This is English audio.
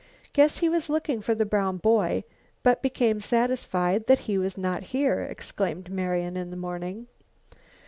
"Guess he was looking for the brown boy, but became satisfied that he was not here," explained Marian next morning.